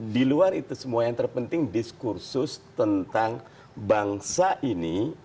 di luar itu semua yang terpenting diskursus tentang bangsa ini